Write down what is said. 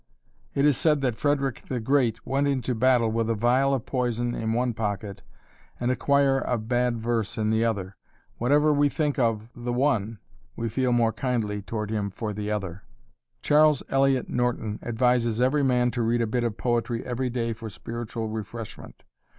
It is said that Frederick the Great went into battle with a vial of poison in one pocket and a quire of bad verse in the other. Whatever we think of the one, we feel more kindly toward him for the other. Charles Eliot Norton advises every man to read a bit of poetry every day for spiritual refreshment.